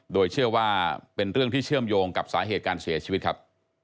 โดยเชื่อว่าเป็นเรื่องที่เชื่อมโยงกับสาเหตุการเสียชีวิตครับ